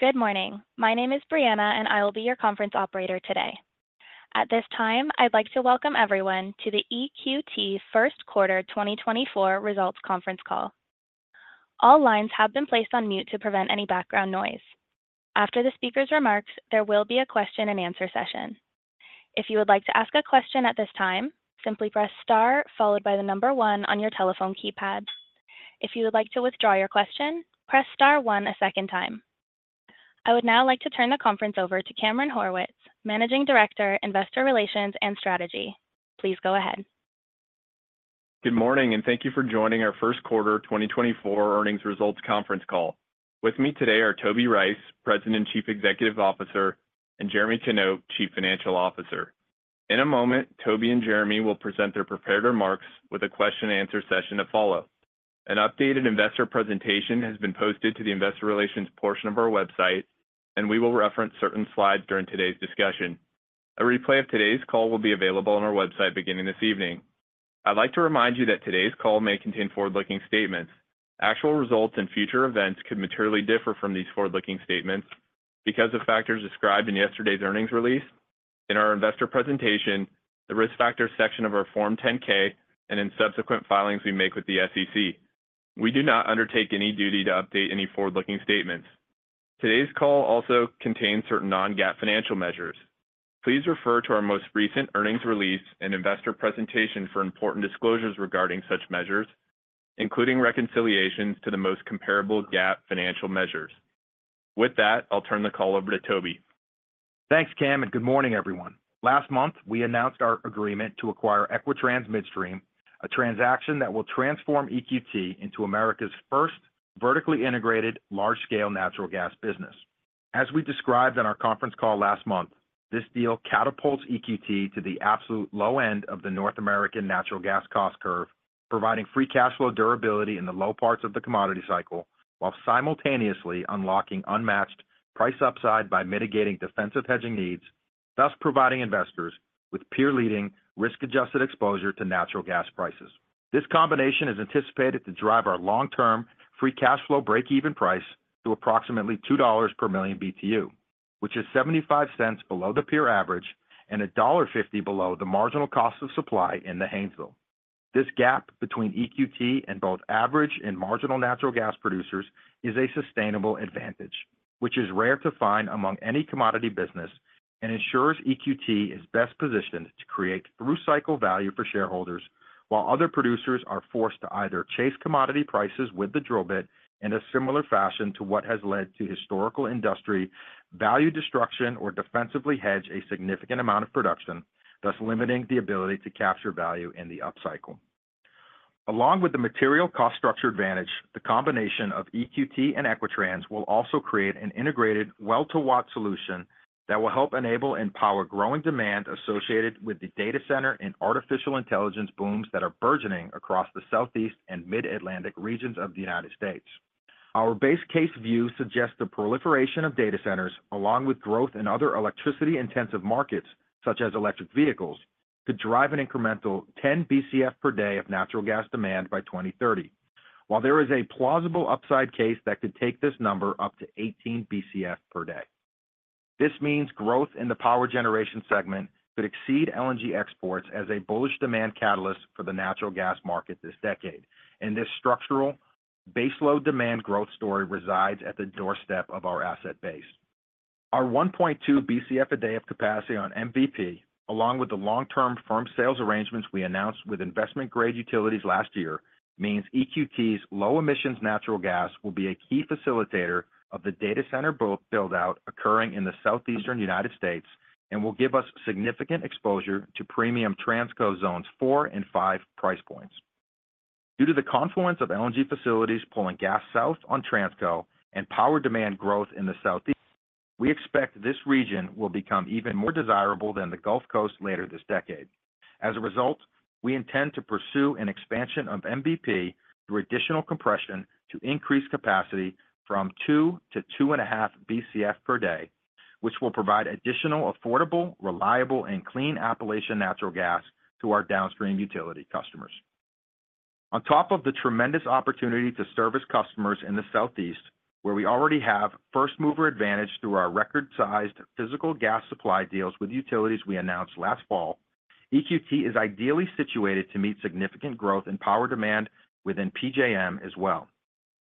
Good morning. My name is Brianna, and I will be your conference operator today. At this time, I'd like to welcome everyone to the EQT First Quarter 2024 Results Conference Call. All lines have been placed on mute to prevent any background noise. After the speaker's remarks, there will be a question-and-answer session. If you would like to ask a question at this time, simply press star followed by the number one on your telephone keypad. If you would like to withdraw your question, press star, one a second time. I would now like to turn the conference over to Cameron Horwitz, Managing Director, Investor Relations and Strategy. Please go ahead. Good morning, and thank you for joining our First Quarter 2024 Earnings Results Conference Call. With me today are Toby Rice, President and Chief Executive Officer, and Jeremy Knop, Chief Financial Officer. In a moment, Toby and Jeremy will present their prepared remarks with a question-and-answer session to follow. An updated investor presentation has been posted to the investor relations portion of our website, and we will reference certain slides during today's discussion. A replay of today's call will be available on our website beginning this evening. I'd like to remind you that today's call may contain forward-looking statements. Actual results in future events could materially differ from these forward-looking statements, because of factors described in yesterday's earnings release in our investor presentation, the risk factors section of our Form 10-K and in subsequent filings we make with the SEC. We do not undertake any duty to update any forward-looking statements. Today's call also contains certain non-GAAP financial measures. Please refer to our most recent earnings release and investor presentation for important disclosures regarding such measures, including reconciliations to the most comparable GAAP financial measures. With that, I'll turn the call over to Toby. Thanks, Cam, and good morning, everyone. Last month, we announced our agreement to acquire Equitrans Midstream, a transaction that will transform EQT into America's first vertically integrated, large-scale natural gas business. As we described on our conference call last month, this deal catapults EQT to the absolute low end of the North American natural gas cost curve, providing free cash flow durability in the low parts of the commodity cycle, while simultaneously unlocking unmatched price upside by mitigating defensive hedging needs, thus providing investors with peer-leading, risk-adjusted exposure to natural gas prices. This combination is anticipated to drive our long-term free cash flow breakeven price to approximately $2 per million BTU, which is $0.75 below the peer average and $1.50 below the marginal cost of supply in the Haynesville. This gap between EQT and both average and marginal natural gas producers is a sustainable advantage, which is rare to find among any commodity business and ensures EQT is best positioned to create through-cycle value for shareholders, while other producers are forced to either chase commodity prices with the drill bit in a similar fashion to what has led to historical industry value destruction, or defensively hedge a significant amount of production, thus limiting the ability to capture value in the upcycle. Along with the material cost structure advantage, the combination of EQT and Equitrans will also create an integrated well-to-watt solution that will help enable and power growing demand associated with the data center, and artificial intelligence booms that are burgeoning across the Southeast and Mid-Atlantic regions of the United States. Our base case view suggests the proliferation of data centers, along with growth in other electricity-intensive markets, such as electric vehicles, could drive an incremental 10 Bcf per day of natural gas demand by 2030, while there is a plausible upside case that could take this number up to 18 Bcf per day. This means growth in the power generation segment could exceed LNG exports as a bullish demand catalyst for the natural gas market this decade, and this structural baseload demand growth story resides at the doorstep of our asset base. Our 1.2 Bcf a day of capacity on MVP, along with the long-term firm sales arrangements we announced with investment-grade utilities last year, means EQT's low-emissions natural gas will be a key facilitator of the data center build-out occurring in the Southeastern United States, and will give us significant exposure to premium Transco Zones 4 and 5 price points. Due to the confluence of LNG facilities pulling gas south on Transco and power demand growth in the Southeast, we expect this region will become even more desirable than the Gulf Coast later this decade. As a result, we intend to pursue an expansion of MVP through additional compression to increase capacity from 2 to 2.5 BCF per day, which will provide additional affordable, reliable, and clean Appalachian natural gas to our downstream utility customers. On top of the tremendous opportunity to service customers in the Southeast, where we already have first-mover advantage through our record-sized physical gas supply deals with utilities we announced last fall, EQT is ideally situated to meet significant growth in power demand within PJM as well.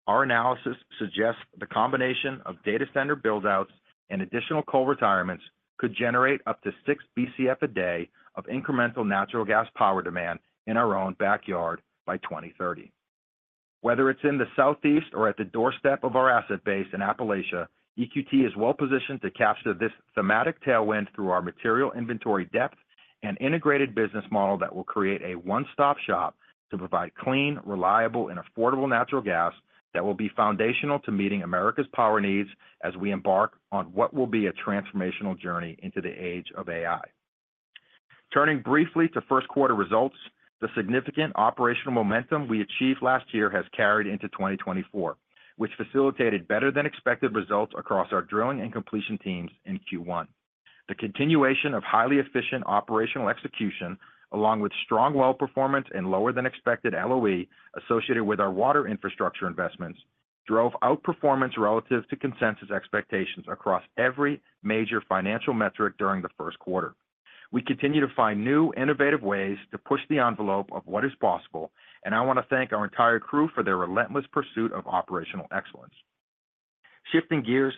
Our analysis suggests the combination of data center build-outs, and additional coal retirements could generate up to 6 Bcf a day of incremental natural gas power demand in our own backyard by 2030. Whether it's in the Southeast or at the doorstep of our asset base in Appalachia, EQT is well positioned to capture this thematic tailwind through our material inventory depth and integrated business model that will create a one-stop shop to provide clean, reliable, and affordable natural gas that will be foundational to meeting America's power needs as we embark on what will be a transformational journey into the age of AI. Turning briefly to first-quarter results, the significant operational momentum we achieved last year has carried into 2024, which facilitated better-than-expected results across our drilling and completion teams in Q1. The continuation of highly efficient operational execution, along with strong well performance and lower-than-expected LOE associated with our water infrastructure investments, drove outperformance relative to consensus expectations across every major financial metric during the first quarter. We continue to find new innovative ways to push the envelope of what is possible, and I want to thank our entire crew for their relentless pursuit of operational excellence. Shifting gears,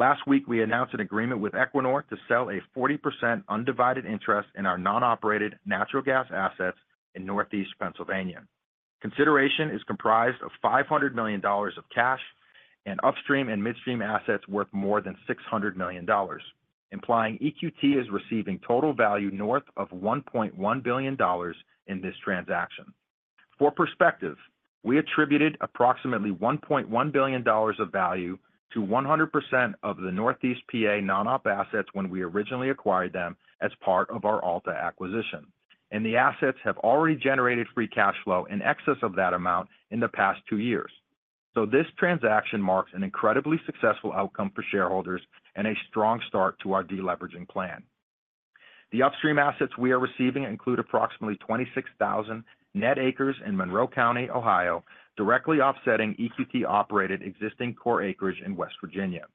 last week, we announced an agreement with Equinor, to sell a 40% undivided interest in our non-operated natural gas assets in Northeast Pennsylvania. Consideration is comprised of $500 million of cash and upstream, and midstream assets worth more than $600 million, implying EQT is receiving total value north of $1.1 billion in this transaction. For perspective, we attributed approximately $1.1 billion of value to 100% of the Northeast PA non-op assets when we originally acquired them as part of our Alta acquisition. The assets have already generated free cash flow in excess of that amount in the past two years. This transaction marks an incredibly successful outcome for shareholders, and a strong start to our deleveraging plan. The upstream assets we are receiving include approximately 26,000 net acres in Monroe County, Ohio, directly offsetting EQT-operated existing core acreage in West Virginia.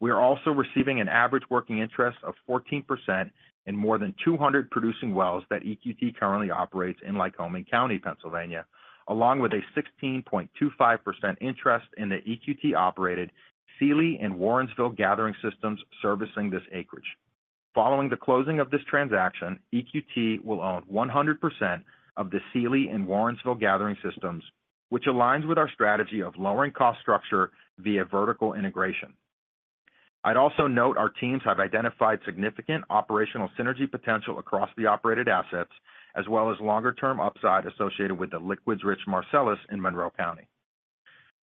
We are also receiving an average working interest of 14% in more than 200 producing wells that EQT currently operates in Lycoming County, Pennsylvania, along with a 16.25% interest in the EQT-operated Seely and Warrensville gathering systems servicing this acreage. Following the closing of this transaction, EQT will own 100% of the Seely and Warrensville gathering systems, which aligns with our strategy of lowering cost structure via vertical integration. I'd also note, our teams have identified significant operational synergy potential across the operated assets, as well as longer-term upside associated with the liquids-rich Marcellus in Monroe County.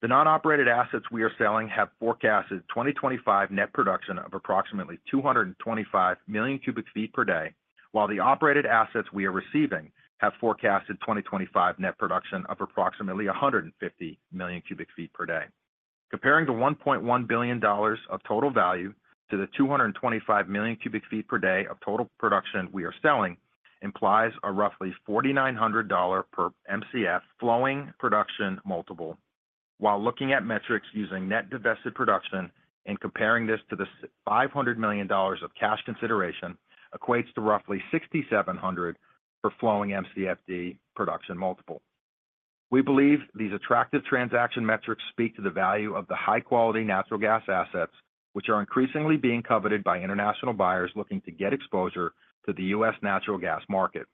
The non-operated assets we are selling have forecasted 2025 net production of approximately 225 million cubic feet per day, while the operated assets we are receiving have forecasted 2025 net production of approximately 150 million cubic feet per day. Comparing the $1.1 billion of total value to the 225 million cubic feet per day of total production we are selling, implies a roughly $4,900 per Mcf flowing production multiple, while looking at metrics using net divested production and comparing this to the $500 million of cash consideration, equates to roughly $6,700 for flowing Mcfd production multiple. We believe these attractive transaction metrics speak to the value of the high-quality natural gas assets, which are increasingly being coveted by international buyers looking to get exposure to the U.S. natural gas market.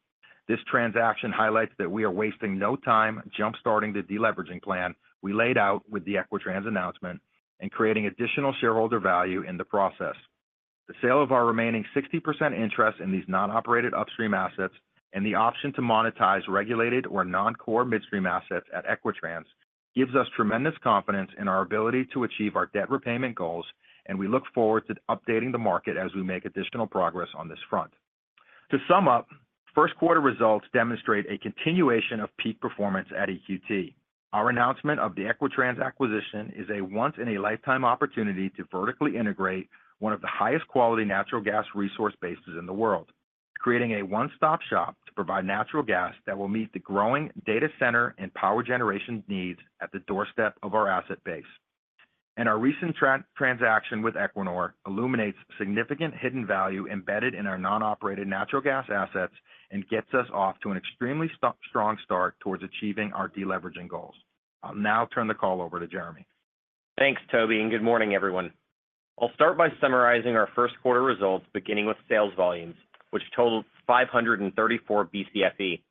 This transaction highlights that we are wasting no time jumpstarting the deleveraging plan we laid out with the Equitrans announcement, and creating additional shareholder value in the process. The sale of our remaining 60% interest in these non-operated upstream assets, and the option to monetize regulated or non-core midstream assets at Equitrans gives us tremendous confidence in our ability to achieve our debt repayment goals. We look forward to updating the market as we make additional progress on this front. To sum up, first-quarter results demonstrate a continuation of peak performance at EQT. Our announcement of the Equitrans acquisition is a once-in-a-lifetime opportunity to vertically integrate one of the highest quality natural gas resource bases in the world, creating a one-stop shop to provide natural gas that will meet the growing data center and power generation needs at the doorstep of our asset base. Our recent transaction with Equinor illuminates significant hidden value embedded in our non-operated natural gas assets, and gets us off to an extremely strong start towards achieving our deleveraging goals. I'll now turn the call over to Jeremy. Thanks, Toby, and good morning, everyone. I'll start by summarizing our first quarter results, beginning with sales volumes, which totaled 534 Bcfe.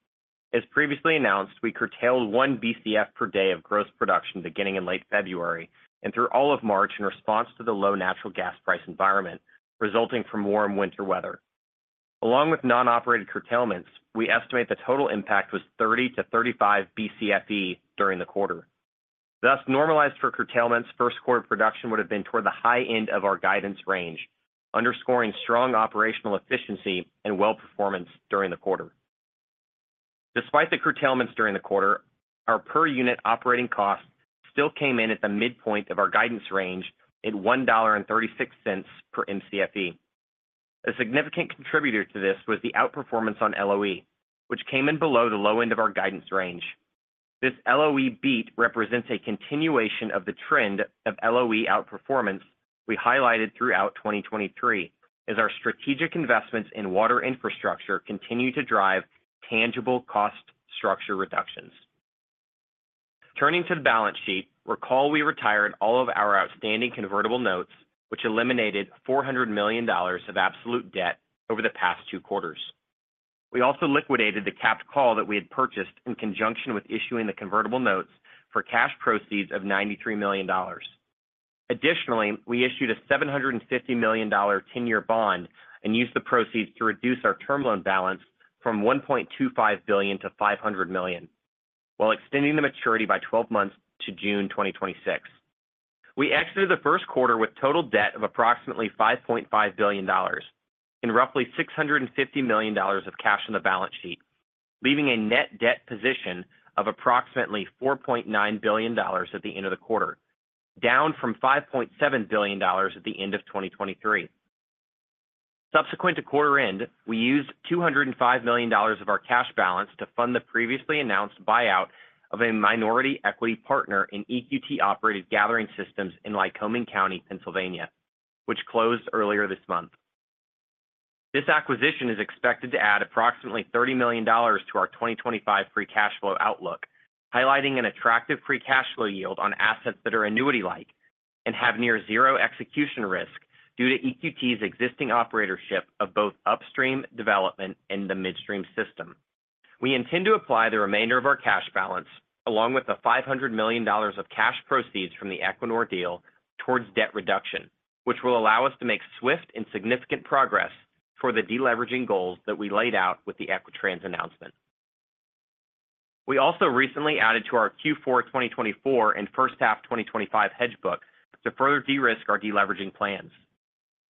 As previously announced, we curtailed 1 Bcf per day of gross production beginning in late February and through all of March, in response to the low natural gas price environment, resulting from warm winter weather. Along with non-operated curtailments, we estimate the total impact was 30-35 Bcfe during the quarter. Thus, normalized for curtailments, first-quarter production would have been toward the high end of our guidance range, underscoring strong operational efficiency and well performance during the quarter. Despite the curtailments during the quarter, our per-unit operating costs still came in at the midpoint of our guidance range at $1.36 per Mcfe. A significant contributor to this was the outperformance on LOE, which came in below the low end of our guidance range. This LOE beat represents a continuation of the trend of LOE outperformance we highlighted throughout 2023, as our strategic investments in water infrastructure continue to drive tangible cost structure reductions. Turning to the balance sheet, recall we retired all of our outstanding convertible notes, which eliminated $400 million of absolute debt over the past two quarters. We also liquidated the capped call that we had purchased, in conjunction with issuing the convertible notes for cash proceeds of $93 million. Additionally, we issued a $750 million 10-year bond and used the proceeds to reduce our term loan balance from $1.25 billion to $500 million, while extending the maturity by 12 months to June 2026. We exited the first quarter with total debt of approximately $5.5 billion and roughly $650 million of cash on the balance sheet, leaving a net debt position of approximately $4.9 billion at the end of the quarter, down from $5.7 billion at the end of 2023. Subsequent to quarter-end, we used $205 million of our cash balance to fund the previously announced buyout of a minority equity partner in EQT-operated gathering systems in Lycoming County, Pennsylvania, which closed earlier this month. This acquisition is expected to add approximately $30 million to our 2025 free cash flow outlook, highlighting an attractive free cash flow yield on assets that are annuity-like and have near-zero execution risk due to EQT's existing operatorship of both upstream development and the midstream system. We intend to apply the remainder of our cash balance, along with the $500 million of cash proceeds from the Equinor deal, towards debt reduction, which will allow us to make swift and significant progress for the deleveraging goals that we laid out with the Equitrans announcement. We also recently added to our Q4 2024, and first half 2025 hedge book to further de-risk our deleveraging plans.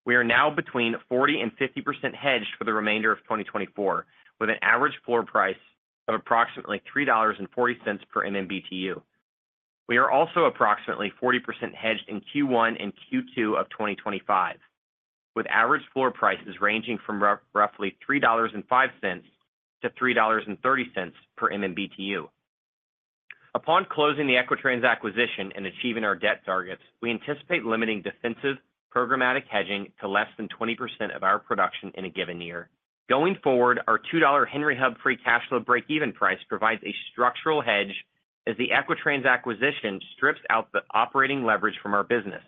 We are now between 40% and 50% hedged for the remainder of 2024, with an average floor price of approximately $3.40 per MMBtu. We are also approximately 40% hedged in Q1 and Q2 of 2025, with average floor prices ranging from roughly $3.05-$3.30 per MMBtu. Upon closing the Equitrans acquisition and achieving our debt targets, we anticipate limiting defensive programmatic hedging to less than 20% of our production in a given year. Going forward, our $2 Henry Hub free cash flow breakeven price provides a structural hedge, as the Equitrans acquisition strips out the operating leverage from our business,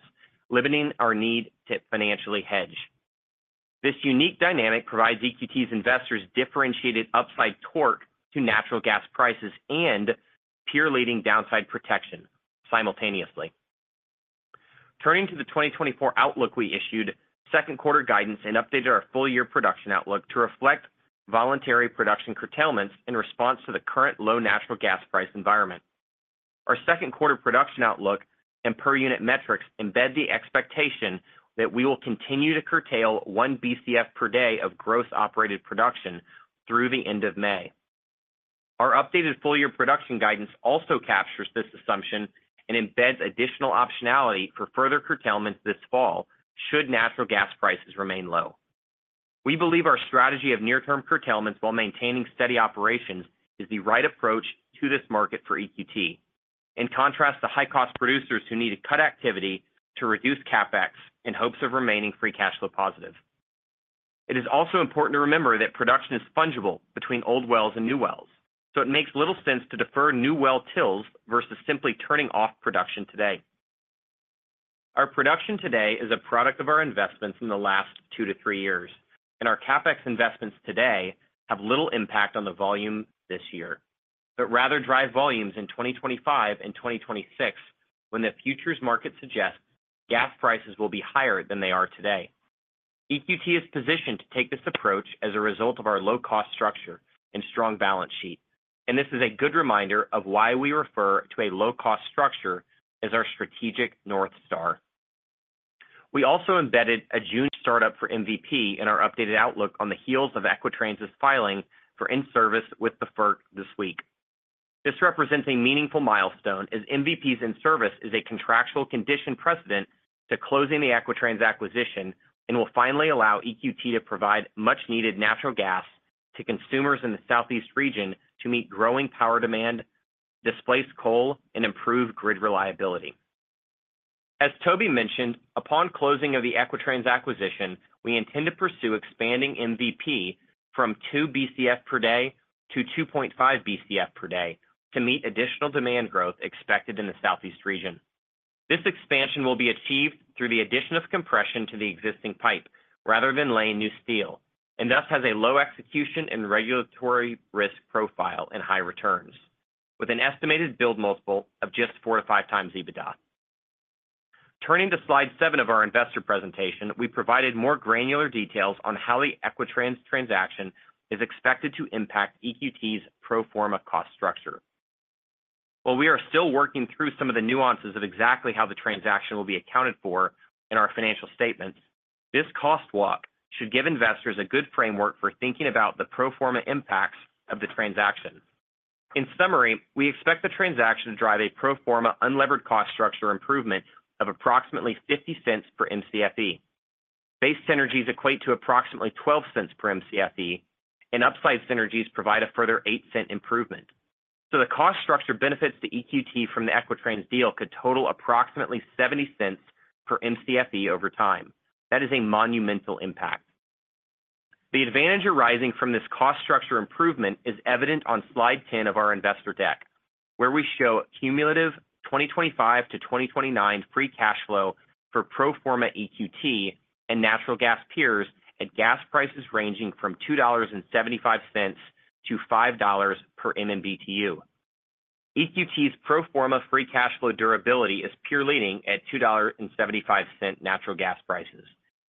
limiting our need to financially hedge. This unique dynamic provides EQT's investors differentiated upside torque to natural gas prices, and peer-leading downside protection simultaneously. Turning to the 2024 outlook, we issued second-quarter guidance, and updated our full-year production outlook to reflect voluntary production curtailments in response to the current low natural gas price environment. Our second quarter production outlook and per-unit metrics, embed the expectation that we will continue to curtail 1 Bcf per day of gross operated production through the end of May. Our updated full-year production guidance also captures this assumption and embeds additional optionality for further curtailments this fall, should natural gas prices remain low. We believe our strategy of near-term curtailments, while maintaining steady operations is the right approach to this market for EQT, in contrast to high-cost producers who need to cut activity to reduce CapEx in hopes of remaining free cash flow positive. It is also important to remember that production is fungible between old wells and new wells, so it makes little sense to defer new well [drills] versus simply turning off production today. Our production today is a product of our investments in the last two to three years and our CapEx investments today have little impact on the volume this year, but rather drive volumes in 2025 and 2026, when the futures market suggests gas prices will be higher than they are today. EQT is positioned to take this approach as a result of our low-cost structure and strong balance sheet, and this is a good reminder of why we refer to a low-cost structure as our strategic North Star. We also embedded a June startup for MVP in our updated outlook on the heels of Equitrans' filing, for in-service with the FERC this week. This represents a meaningful milestone, as MVP's in-service is a contractual condition precedent to closing the Equitrans acquisition and will finally allow EQT to provide much-needed natural gas to consumers in the Southeast region, to meet growing power demand, displace coal, and improve grid reliability. As Toby mentioned, upon closing of the Equitrans acquisition, we intend to pursue expanding MVP from 2 Bcf per day to 2.5 Bcf per day, to meet additional demand growth expected in the Southeast region. This expansion will be achieved through the addition of compression to the existing pipe rather than laying new steel, and thus has a low execution and regulatory risk profile and high returns, with an estimated build multiple of just 4x-5x EBITDA. Turning to slide 7 of our investor presentation, we provided more granular details on how the Equitrans transaction is expected to impact EQT's pro forma cost structure. While we are still working through some of the nuances of exactly how the transaction will be accounted for in our financial statements, this cost walk should give investors a good framework for thinking about the pro forma impacts of the transaction. In summary, we expect the transaction to drive a pro forma unlevered cost structure improvement of approximately $0.50 per Mcfe. Base synergies equate to approximately $0.12 per Mcfe, and upside synergies provide a further $0.08 improvement. The cost structure benefits to EQT from the Equitrans deal could total approximately $0.70 per Mcfe over time. That is a monumental impact. The advantage arising from this cost structure improvement is evident on slide 10 of our investor deck, where we show cumulative 2025-2029 free cash flow for pro forma EQT, and natural gas peers at gas prices ranging from $2.75-$5 per MMBtu. EQT's pro forma free cash flow durability is peer-leading at $2.75 natural gas prices,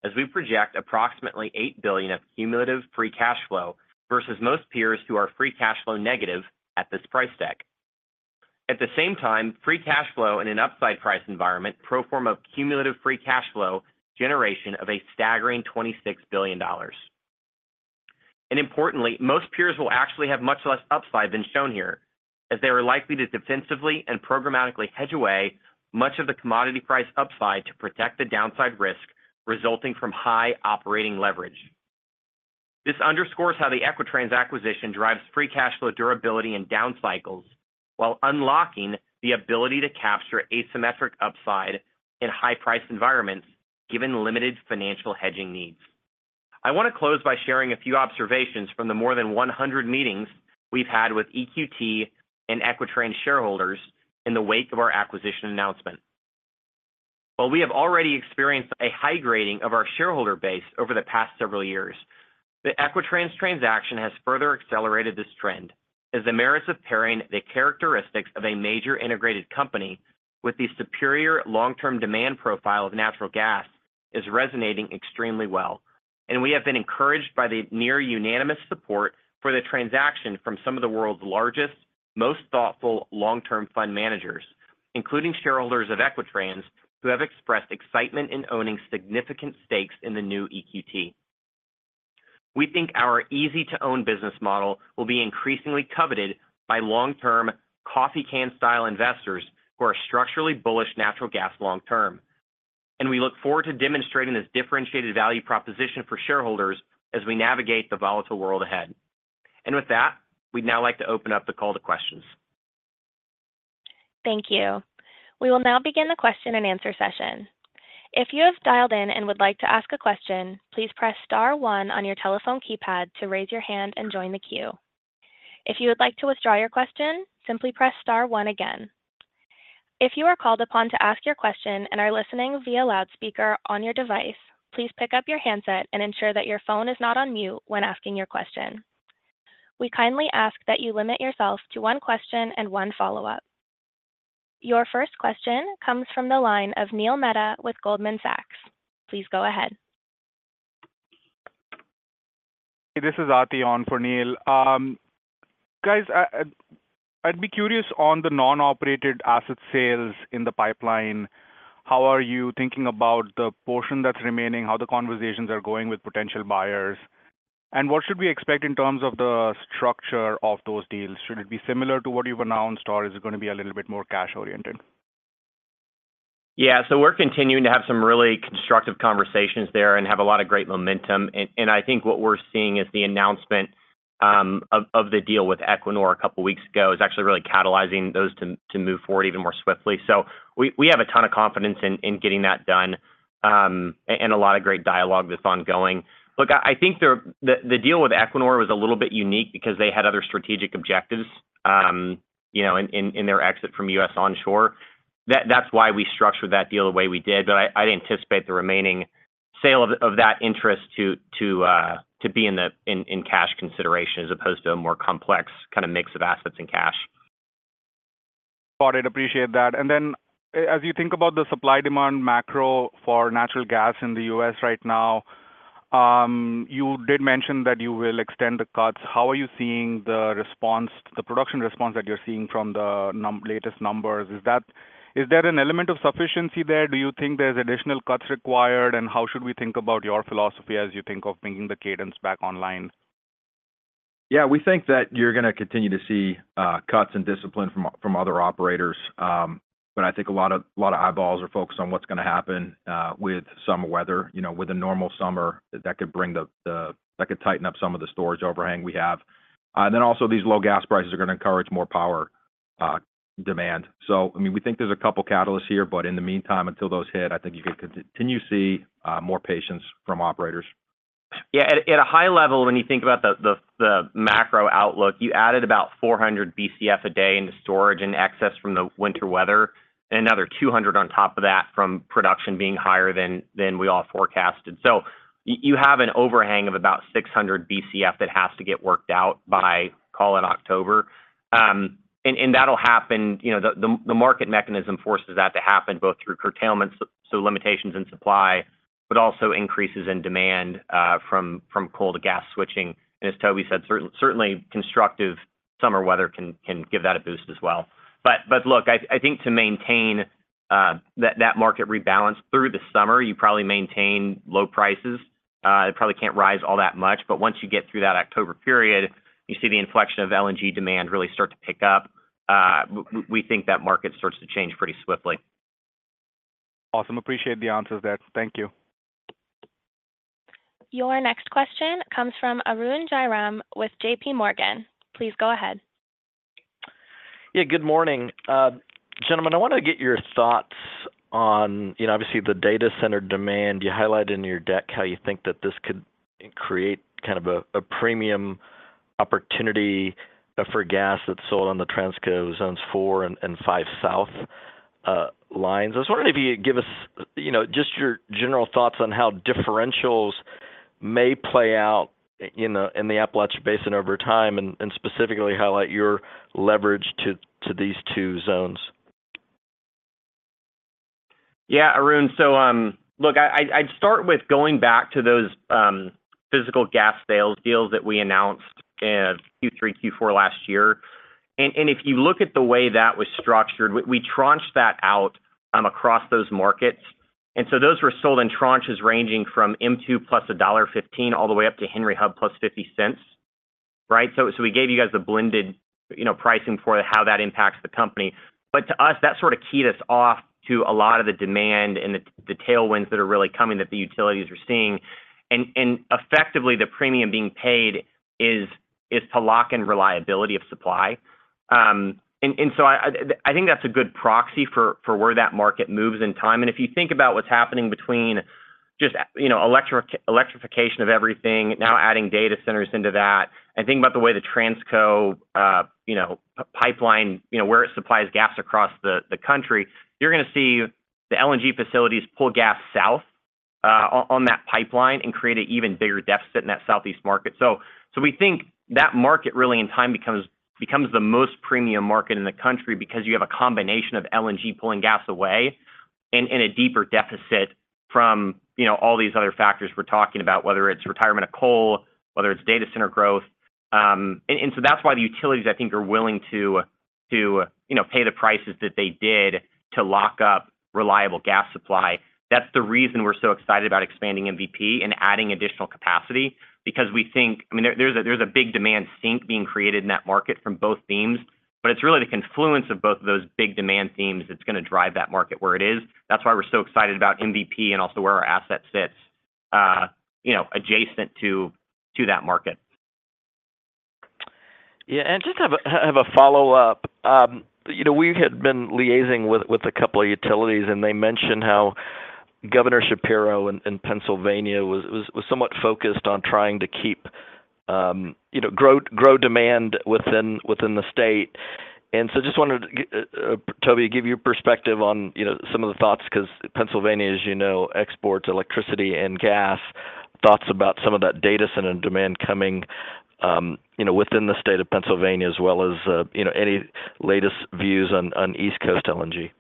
as we project approximately $8 billion of cumulative free cash flow versus most peers who are free cash flow negative at this price deck. At the same time, free cash flow in an upside price environment, pro forma cumulative free cash flow generation of a staggering $26 billion. Importantly, most peers will actually have much less upside than shown here, as they are likely to defensively and programmatically hedge away much of the commodity price upside to protect the downside risk resulting from high operating leverage. This underscores how the Equitrans acquisition drives free cash flow durability in down cycles, while unlocking the ability to capture asymmetric upside in high-price environments, given limited financial hedging needs. I want to close by sharing a few observations from the more than 100 meetings we've had with EQT, and Equitrans shareholders in the wake of our acquisition announcement. While we have already experienced a high grading of our shareholder base over the past several years, the Equitrans transaction has further accelerated this trend, as the merits of pairing the characteristics of a major integrated company with the superior long-term demand profile of natural gas is resonating extremely well. We have been encouraged by the near-unanimous support for the transaction from some of the world's largest, most thoughtful long-term fund managers, including shareholders of Equitrans, who have expressed excitement in owning significant stakes in the new EQT. We think our easy-to-own business model, will be increasingly coveted by long-term coffee can-style investors who are structurally bullish natural gas long term. We look forward to demonstrating this differentiated value proposition for shareholders as we navigate the volatile world ahead. With that, we'd now like to open up the call to questions. Thank you. We will now begin the question-and-answer session. If you have dialed in and would like to ask a question, please press star, one on your telephone keypad to raise your hand and join the queue. If you would like to withdraw your question, simply press star, one again. If you are called upon to ask your question and are listening via loudspeaker on your device, please pick up your handset and ensure that your phone is not on mute when asking your question. We kindly ask that you limit yourself to one question and one follow-up. Your first question comes from the line of Neil Mehta with Goldman Sachs. Please go ahead. Hey, this is Atheon for Neil. Guys, I'd be curious on the non-operated asset sales in the pipeline, how are you thinking about the portion that's remaining, how the conversations are going with potential buyers? What should we expect in terms of the structure of those deals? Should it be similar to what you've announced, or is it going to be a little bit more cash-oriented? Yeah, so we're continuing to have some really constructive conversations there, and have a lot of great momentum. I think what we're seeing, is the announcement of the deal with Equinor a couple weeks ago is actually really catalyzing those to move forward even more swiftly. We have a ton of confidence in getting that done, and a lot of great dialogue that's ongoing. Look, I think the deal with Equinor was a little bit unique because they had other strategic objectives, you know, in their exit from U.S. onshore. That's why we structured that deal the way we did. I anticipate the remaining sale of that interest to be in cash consideration, as opposed to a more complex kind of mix of assets and cash. Got it, appreciate that. Then as you think about the supply-demand macro for natural gas in the U.S. right now, you did mention that you will extend the cuts. How are you seeing the production response that you're seeing from the latest numbers? Is there an element of sufficiency there? Do you think there's additional cuts required? How should we think about your philosophy as you think of bringing the cadence back online? Yeah, we think that you're going to continue to see cuts and discipline from other operators, but I think a lot of eyeballs are focused on what's going to happen with summer weather. You know, with a normal summer, that could tighten up some of the storage overhang we have. Then also, these low gas prices are going to encourage more power demand. I mean, we think there's a couple of catalysts here, but in the meantime, until those hit, I think you could continue to see more patience from operators. Yeah, at a high level, when you think about the macro outlook, you added about 400 Bcf a day into storage and access from the winter weather, and another 200 on top of that from production being higher than we all forecasted. You have an overhang of about 600 Bcf that has to get worked out by, call it, October and that'll happen. You know, the market mechanism forces that to happen both through curtailments, so limitations in supply, but also increases in demand from coal to gas switching. As Toby said, certainly, constructive summer weather can give that a boost as well. Look, I think to maintain that market rebalance through the summer, you probably maintain low prices. It probably can't rise all that much, but once you get through that October period, you see the inflection of LNG demand really start to pick up. We think that market starts to change pretty swiftly. Awesome. Appreciate the answers there. Thank you. Your next question comes from Arun Jayaram with JPMorgan. Please go ahead. Yeah, good morning. Gentlemen, I wanted to get your thoughts on, you know, obviously the data center demand. You highlighted in your deck how you think that this could create kind of a premium opportunity for gas that's sold on the Transco Zones 4 and 5 South lines. I was wondering if you could give us, you know, just your general thoughts on how differentials may play out in the Appalachian Basin over time, and specifically highlight your leverage to these two zones. Yeah, Arun. Look, I'd start with going back to those physical gas sales deals that we announced in Q3, Q4 last year. If you look at the way that was structured, we tranched that out across those markets, and so those were sold in tranches ranging from M2 plus $1.15 all the way up to Henry Hub plus $0.50, right? We gave you guys the blended, you know, pricing for how that impacts the company. To us, that sort of keyed us off to a lot of the demand, and the tailwinds that are really coming, that the utilities are seeing. Effectively, the premium being paid is to lock in reliability of supply. I think that's a good proxy for where that market moves in time. If you think about what's happening between just, you know, electrification of everything, now adding data centers into that and think about the way the Transco, you know, pipeline, you know, where it supplies gas across the country, you're going to see the LNG facilities pull gas south, on that pipeline and create an even bigger deficit in that Southeast market. We think that market really in time, becomes the most premium market in the country because you have a combination of LNG pulling gas away and a deeper deficit from, you know, all these other factors we're talking about, whether it's retirement of coal, whether it's data center growth. That's why the utilities, I think are willing to, you know, pay the prices that they did to lock up reliable gas supply. That's the reason we're so excited about expanding MVP and adding additional capacity, because I mean, there's a big demand sink being created in that market from both themes, but it's really the confluence of both of those big demand themes that's going to drive that market where it is. That's why we're so excited about MVP and also where our asset sits, you know, adjacent to that market. Yeah, and just have a follow-up. You know, we had been liaising with a couple of utilities, and they mentioned how Governor Shapiro in Pennsylvania was somewhat focused on trying to, you know, grow demand within the state. Just wanted to, Toby, give your perspective on, you know, some of the thoughts, because Pennsylvania as you know, exports electricity and gas. Thoughts about some of that data center demand coming, you know, within the state of Pennsylvania, as well as, you know, any latest views on East Coast LNG?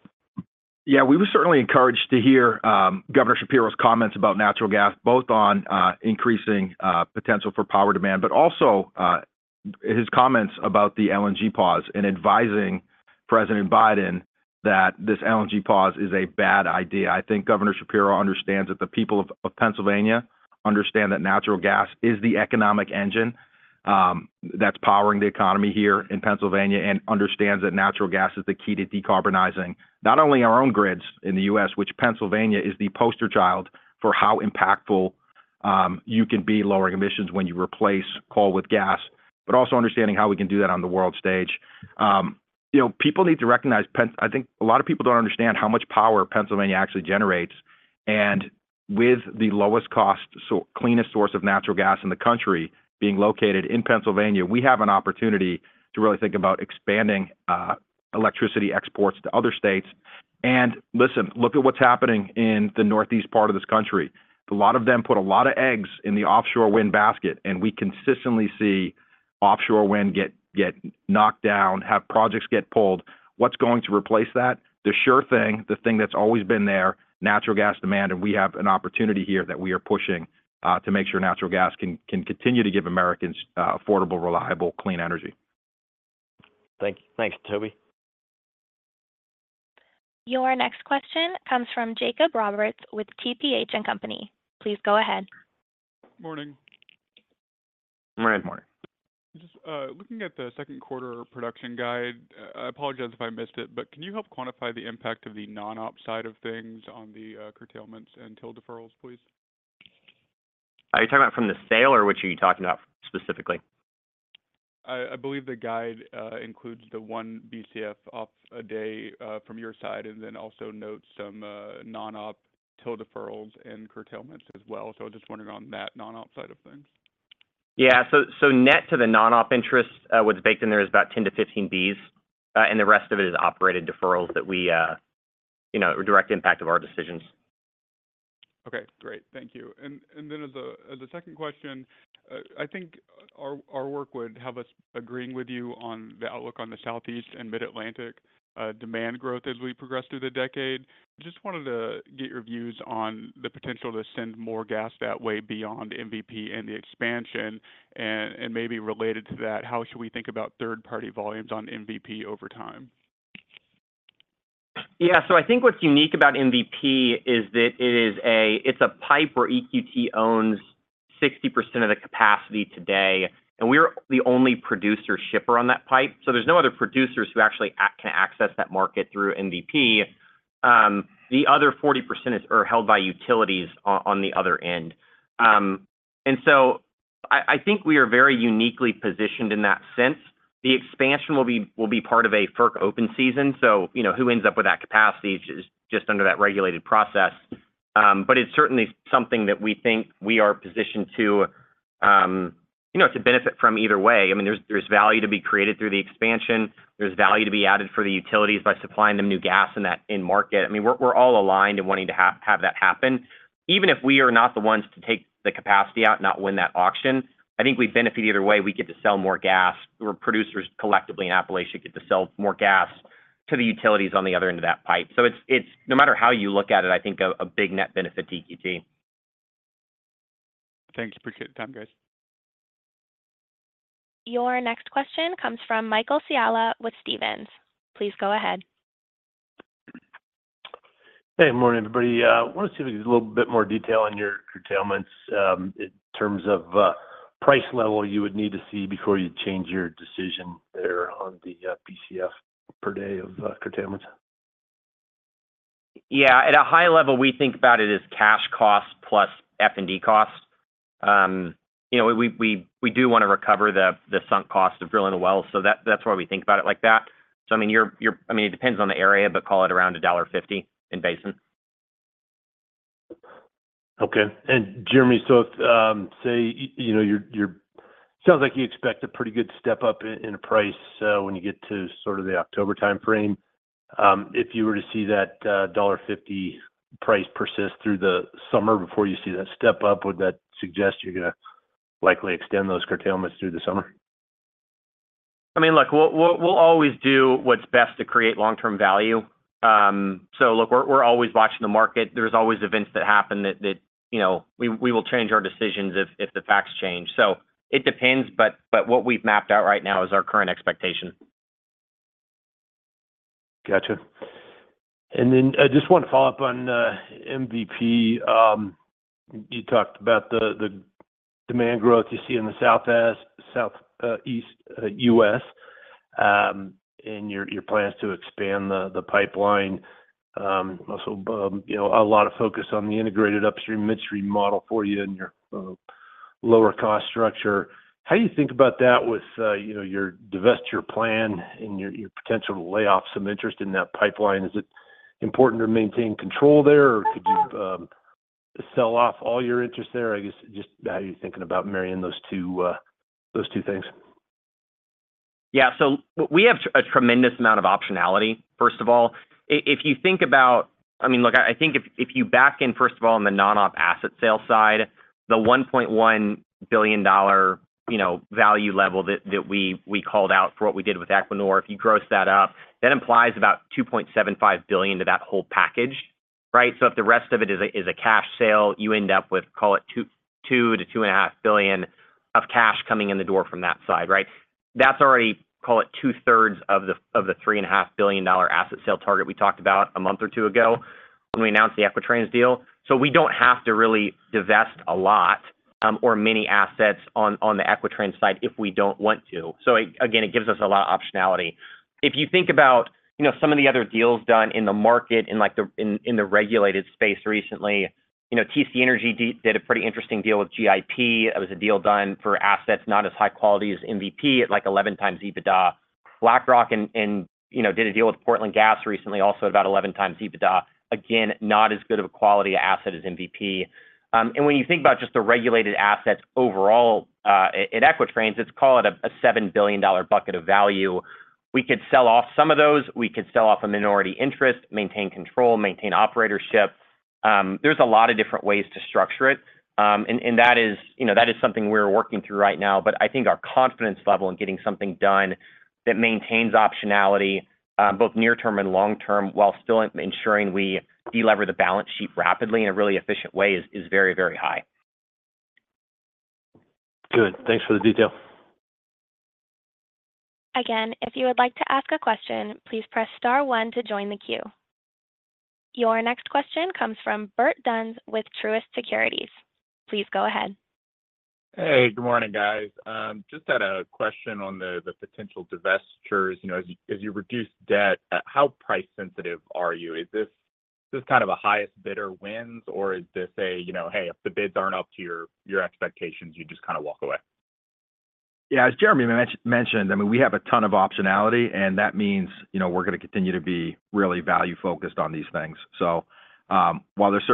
Yeah, we were certainly encouraged to hear Governor Shapiro's comments about natural gas, both on increasing potential for power demand, but also his comments about the LNG pause and advising President Biden that this LNG pause is a bad idea. I think Governor Shapiro understands that the people of Pennsylvania understand that natural gas is the economic engine that's powering the economy here in Pennsylvania, and understands that natural gas is the key to decarbonizing not only our own grids in the U.S., which Pennsylvania is the poster child for how impactful you can be lowering emissions when you replace coal with gas, but also understanding how we can do that on the world stage. You know, people need to recognize, I think a lot of people don't understand how much power Pennsylvania actually generates and with the lowest cost, so cleanest source of natural gas in the country being located in Pennsylvania, we have an opportunity to really think about expanding electricity exports to other states. Listen, look at what's happening in the Northeast part of this country. A lot of them put a lot of eggs in the offshore wind basket, and we consistently see offshore wind get knocked down, have projects get pulled. What's going to replace that? The sure thing, the thing that's always been there, natural gas demand. We have an opportunity here that we are pushing to make sure natural gas can continue to give Americans affordable, reliable, clean energy. Thank you. Thanks, Toby. Your next question comes from Jacob Roberts with TPH & Company. Please go ahead. Morning. Morning. Morning. Just looking at the second quarter production guide, I apologize if I missed it, but can you help quantify the impact of the non-op side of things on the curtailments and till deferrals, please? Are you talking about from the sale, or what are you talking about specifically? I believe the guide includes the 1 Bcf of a day from your side, and then also notes some non-op till deferrals and curtailments as well. Just wondering on that non-op side of things. Yeah, so net to the non-op interest, what's baked in there is about 10-15 Bs, and the rest of it is operated deferrals that we, you know, direct impact of our decisions. Okay, great. Thank you. Then as a second question, I think our work would have us agreeing with you on the outlook on the Southeast and Mid-Atlantic demand growth as we progress through the decade. Just wanted to get your views on the potential to send more gas that way beyond MVP and the expansion. Maybe related to that, how should we think about third-party volumes on MVP over time? Yeah, so I think what's unique about MVP, is that it's a pipe where EQT owns 60% of the capacity today. We're the only producer-shipper on that pipe, so there's no other producers who actually can access that market through MVP. The other 40% are held by utilities on the other end. I think we are very uniquely positioned in that sense. The expansion will be part of a FERC open season, so you know, who ends up with that capacity is just under that regulated process. It's certainly something that we think we are positioned, you know, to benefit from either way. I mean, there's value to be created through the expansion. There's value to be added for the utilities, by supplying them new gas in that end market. I mean, we're all aligned in wanting to have that happen. Even if we are not the ones to take the capacity out, not win that auction, I think we benefit either way. We get to sell more gas, or producers collectively in Appalachia get to sell more gas to the utilities on the other end of that pipe. It's, no matter how you look at it, I think a big net benefit to EQT. Thanks. Appreciate the time, guys. Your next question comes from Michael Scialla with Stephens. Please go ahead. Hey. Good morning, everybody. I want to see if there's a little bit more detail on your curtailments, in terms of price level you would need to see before you change your decision there on the Bcf per day of curtailments? Yeah, at a high level, we think about it as cash costs plus F&D costs. You know, we do want to recover the sunk cost of drilling a well, so that's why we think about it like that. I mean, it depends on the area, but call it around $1.50 in basin. Okay. Jeremy, so you know, it sounds like you expect a pretty good step up in price when you get to sort of the October timeframe. If you were to see that $1.50 price persist through the summer before you see that step up, would that suggest you're going to likely extend those curtailments through the summer? I mean, look, we'll always do what's best to create long-term value. Look, we're always watching the market. There's always events that happen that, you know, we will change our decisions if the facts change. It depends, but what we've mapped out right now is our current expectation. Got you. Then I just want to follow up on MVP. You talked about the demand growth you see in the Southeast U.S., and your plans to expand the pipeline. Also, you know, a lot of focus on the integrated upstream, midstream model for you and your lower cost structure. How do you think about that with, you know, your divestiture plan and your potential to lay off some interest in that pipeline? Is it important to maintain control there, or could you sell off all your interest there? I guess, just how are you thinking about marrying those two things? Yeah. We have a tremendous amount of optionality, first of all. I mean, look, I think if you back in first of all, on the non-op asset sales side, the $1.1 billion, you know, value level that we called out for what we did with Equinor, if you gross that up, that implies about $2.75 billion to that whole package, right? If the rest of it is a cash sale, you end up with, call it $2 billion-$2.5 billion of cash coming in the door from that side, right? That's already, call it 2/3 of the $3.5 billion asset sale target we talked about a month or two ago when we announced the Equitrans deal. We don't have to really divest a lot, or many assets on the Equitrans side if we don't want to. Again, it gives us a lot of optionality. If you think about, you know, some of the other deals done in the market in the regulated space recently, you know, TC Energy did a pretty interesting deal with GIP. It was a deal done for assets not as high quality as MVP, at like 11x EBITDA. BlackRock, you know, did a deal with Portland Gas recently, also about 11x EBITDA. Again, not as good of a quality asset as MVP. When you think about just the regulated assets overall, at Equitrans, let's call it a $7 billion bucket of value. We could sell off some of those. We could sell off a minority interest, maintain control, maintain operatorship. There's a lot of different ways to structure it. You know, that is something we're working through right now. I think our confidence level in getting something done that maintains optionality, both near term and long term, while still ensuring we de-lever the balance sheet rapidly in a really efficient way is very, very high. Good. Thanks for the detail. Again, if you would like to ask a question, please press star, one to join the queue. Your next question comes from Bert Donnes with Truist Securities. Please go ahead. Hey. Good morning, guys. Just had a question on the potential divestitures. You know, as you reduce debt, how price sensitive are you? Is this kind of a highest bidder wins, or is this a, you know, "Hey, if the bids aren't up to your expectations, you just kind of walk away?" Yeah, as Jeremy mentioned, I mean, we have a ton of optionality, and that means, you know, we're going to continue to be really value-focused on these things. While there's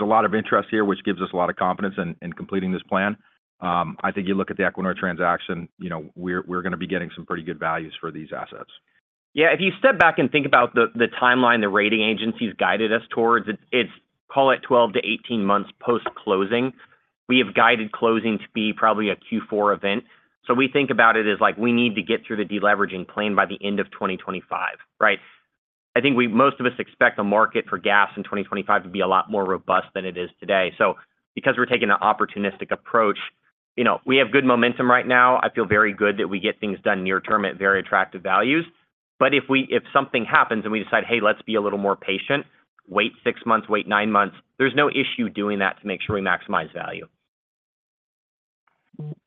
a lot of interest here, which gives us a lot of confidence in completing this plan, I think you look at the Equinor transaction, you know, we're going to be getting some pretty good values for these assets. Yeah, if you step back and think about the timeline the rating agencies guided us towards, it's, call it 12-18 months post-closing. We have guided closing to be probably a Q4 event, so we think about it as we need to get through the de-leveraging plan by the end of 2025, right? I think most of us expect the market for gas in 2025 to be a lot more robust than it is today, so because we're taking an opportunistic approach, you know, we have good momentum right now. I feel very good that we get things done near term at very attractive values. If something happens and we decide, "Hey, let's be a little more patient," wait six months, wait nine months, there's no issue doing that to make sure we maximize value.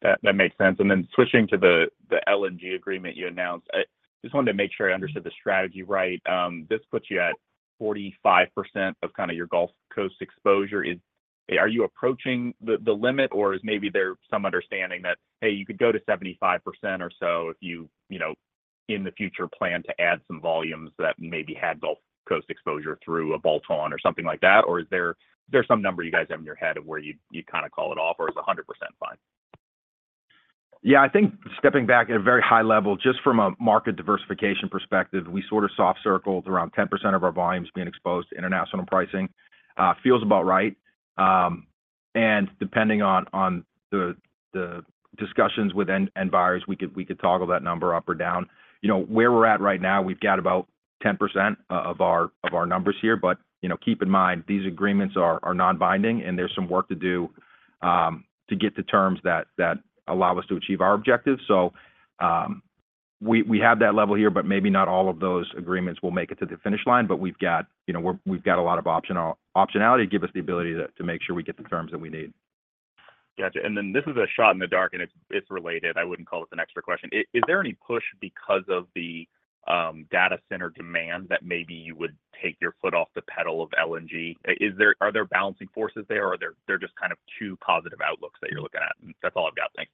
That makes sense. Then switching to the LNG agreement you announced, I just wanted to make sure I understood the strategy right. This puts you at 45% of kind of your Gulf Coast exposure. Are you approaching the limit, or is maybe there some understanding that, hey, you could go to 75% or so you know, in the future plan to add some volumes that maybe had Gulf Coast exposure through a bolt-on, or something like that? Or is there some number you guys have in your head of where you'd kind of call it off, or is 100% fine? Yeah. I think stepping back at a very high level, just from a market diversification perspective, we sort of soft circled around 10% of our volumes being exposed to international pricing, feels about right. Depending on the discussions with end buyers, we could toggle that number up or down. You know, where we're at right now, we've got about 10% of our numbers here. You know, keep in mind, these agreements are non-binding, and there's some work to do to get to terms that allow us to achieve our objectives. We have that level here, but maybe not all of those agreements will make it to the finish line, but you know, we've got a lot of optionality to give us the ability to make sure we get the terms that we need. Got you. Then this is a shot in the dark, and it's related. I wouldn't call this an extra question. Is there any push because of the data center demand that maybe you would take your foot off the pedal of LNG? Are there balancing forces there, or they're just kind of two positive outlooks that you're looking at? That's all I've got. Thanks.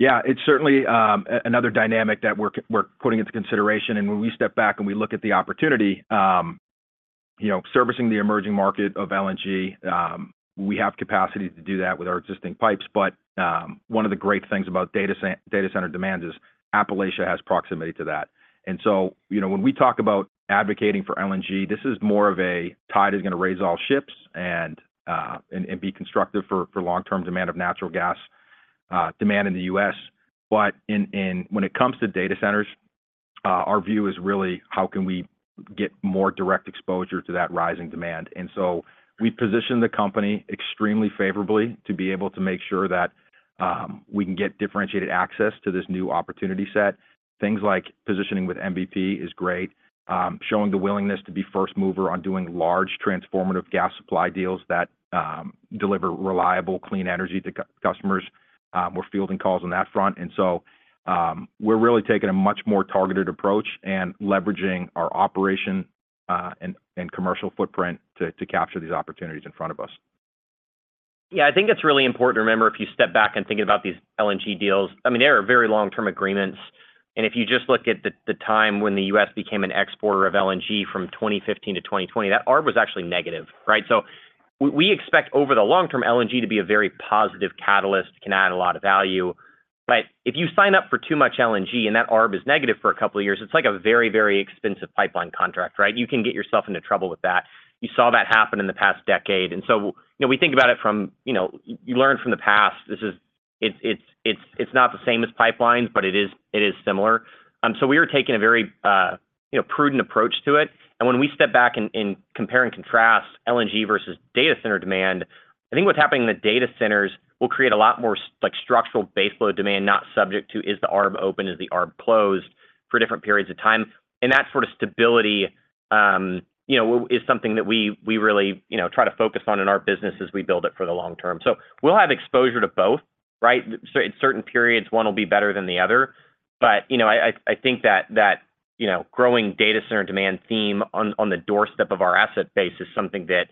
Yeah, it's certainly another dynamic that we're putting into consideration. When we step back and we look at the opportunity, you know, servicing the emerging market of LNG, we have capacity to do that with our existing pipes. One of the great things about data center demand is Appalachia has proximity to that. When we talk about advocating for LNG, this is more of a tide is going to raise all ships and be constructive for long-term demand of natural gas, demand in the U.S. When it comes to data centers, our view is really, how can we get more direct exposure to that rising demand? We position the company extremely favorably ,to be able to make sure that we can get differentiated access to this new opportunity set. Things like positioning with MVP is great, showing the willingness to be first mover on doing large transformative gas supply deals that deliver reliable, clean energy to customers. We're fielding calls on that front, and so we're really taking a much more targeted approach and leveraging our operation and commercial footprint to capture these opportunities in front of us. Yeah, I think it's really important to remember, if you step back and think about these LNG deals, I mean, they are very long-term agreements. If you just look at the time when the U.S. became an exporter of LNG from 2015-2020, that arb was actually negative, right? We expect over the long term, LNG to be a very positive catalyst, can add a lot of value. If you sign up for too much LNG and that arb is negative for a couple of years, it's like a very, very expensive pipeline contract, right? You can get yourself into trouble with that. You saw that happen in the past decade. You know, you learn from the past. It's not the same as pipelines, but it is similar. We are taking a very, you know, prudent approach to it. When we step back and compare and contrast LNG versus data center demand, I think what's happening in the data centers will create a lot more like, structural base load demand, not subject to is the arb open, is the arb closed for different periods of time? That sort of stability, you know, is something that we really, you know, try to focus on in our business as we build it for the long term. We'll have exposure to both, right? At certain periods, one will be better than the other. You know, I think that, you know, growing data center demand theme on the doorstep of our asset base is something that,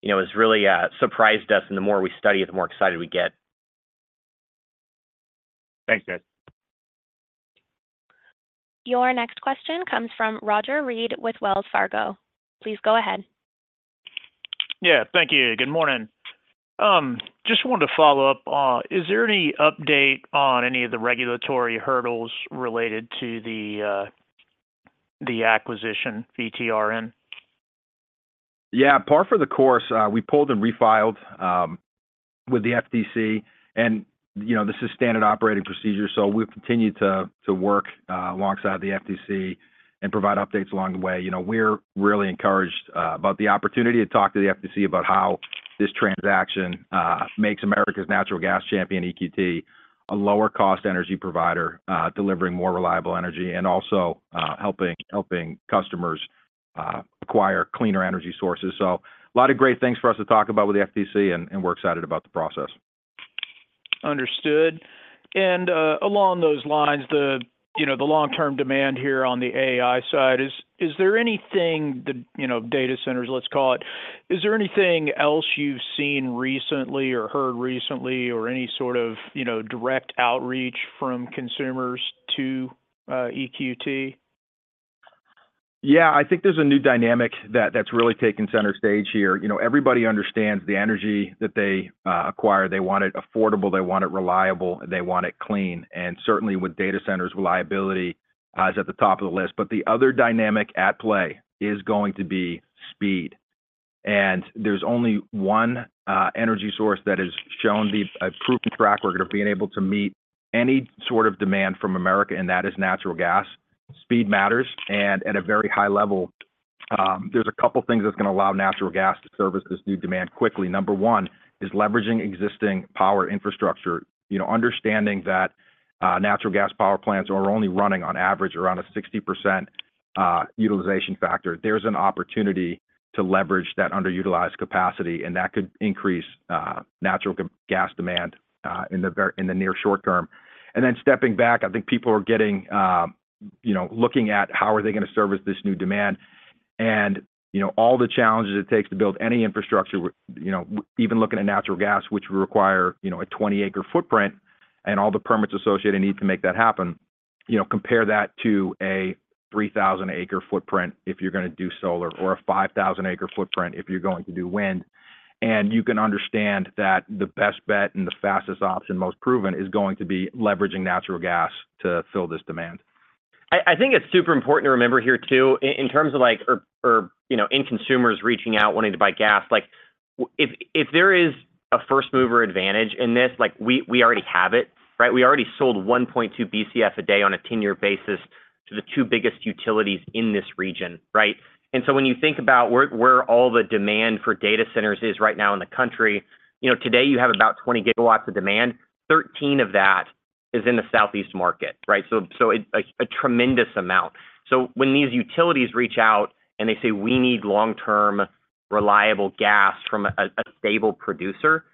you know, has really surprised us and the more we study it, the more excited we get. Thanks, guys. Your next question comes from Roger Read with Wells Fargo. Please go ahead. Yeah, thank you. Good morning. Just wanted to follow up, is there any update on any of the regulatory hurdles related to the acquisition, ETRN? Yeah, par for the course, we pulled and refiled with the FTC. You know, this is standard operating procedure, so we'll continue to work alongside the FTC and provide updates along the way. You know, we're really encouraged about the opportunity to talk to the FTC about how this transaction makes America's natural gas champion, EQT, a lower-cost energy provider, delivering more reliable energy and also helping customers acquire cleaner energy sources. A lot of great things for us to talk about with the FTC, and we're excited about the process. Understood. Along those lines, you know, the long-term demand here on the AI side, you know, data centers, let's call it, is there anything else you've seen recently or heard recently or any sort of, you know, direct outreach from consumers to EQT? Yeah, I think there's a new dynamic that's really taking center stage here. You know, everybody understands the energy that they acquire. They want it affordable, they want it reliable, and they want it clean. Certainly, with data centers, reliability is at the top of the list. The other dynamic at play is going to be speed, and there's only one energy source that has shown a proven track record of being able to meet any sort of demand from America, and that is natural gas. Speed matters, and at a very high level. There's a couple things that's going to allow natural gas to service this new demand quickly. Number one is leveraging existing power infrastructure. You know, understanding that natural gas power plants are only running on average around a 60% utilization factor. There's an opportunity to leverage that underutilized capacity, and that could increase natural gas demand in the near short term. Then stepping back, I think people are, you know, looking at, how are they going to service this new demand? You know, all the challenges it takes to build any infrastructure, you know, even looking at natural gas, which would require, you know, a 20-acre footprint and all the permits associated needed to make that happen, you know, compare that to a 3,000-acre footprint if you're going to do solar or a 5,000-acre footprint if you're going to do wind. You can understand that the best bet and the fastest option, most proven is going to be leveraging natural gas to fill this demand. I think it's super important to remember here too, in terms of, you know, end consumers reaching out, wanting to buy gas, if there is a first mover advantage in this, we already have it, right? We already sold 1.2 Bcf a day on a 10-year basis to the two biggest utilities in this region, right? When you think about where all the demand for data centers is right now in the country, you know, today you have about 20 GW of demand. 13 of that is in the Southeast market, right? It's a tremendous amount. When these utilities reach out and they say, "We need long-term, reliable gas from a stable producer,"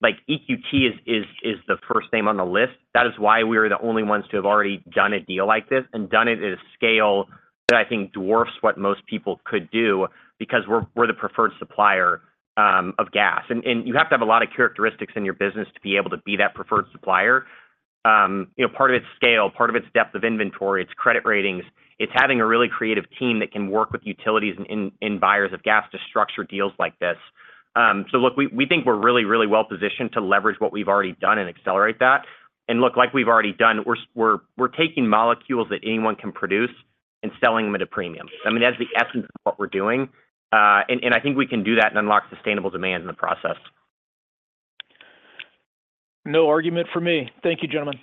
like EQT is the first name on the list. That is why we are the only ones to have already done a deal like this and done it at a scale that I think dwarfs what most people could do, because we're the preferred supplier of gas. You have to have a lot of characteristics in your business to be able to be that preferred supplier. You know, part of it's scale, part of it's depth of inventory, it's credit ratings, it's having a really creative team that can work with utilities and buyers of gas to structure deals like this. Look, we think we're really, really well-positioned to leverage what we've already done, and accelerate that. Look, we're taking molecules that anyone can produce, and selling them at a premium. I mean, that's the essence of what we're doing, and I think we can do that and unlock sustainable demand in the process. No argument from me. Thank you, gentlemen.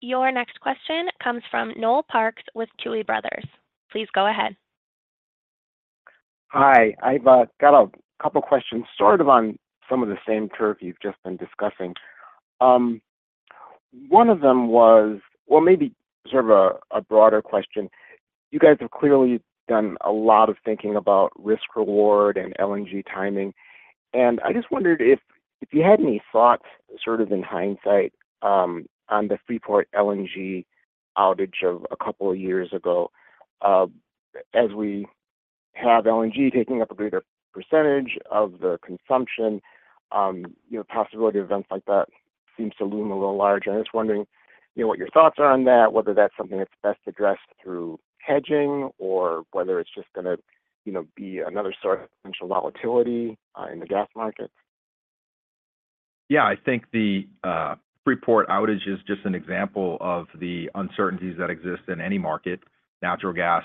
Your next question comes from Noel Parks with Tuohy Brothers. Please go ahead. Hi, I've got a couple questions sort of on some of the same turf you've just been discussing. One of them was, well, maybe sort of a broader question, you guys have clearly done a lot of thinking about risk, reward, and LNG timing. I just wondered if you had any thoughts, sort of in hindsight on the Freeport LNG outage of a couple of years ago, as we have LNG taking up a greater percentage of the consumption, you know, possibility of events like that seems to loom a little larger. I'm just wondering, you know, what your thoughts are on that, whether that's something that's best addressed through hedging or whether it's just going to be another source of potential volatility in the gas market. Yeah, I think the Freeport outage is just an example of the uncertainties that exist in any market, natural gas